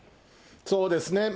そうですね。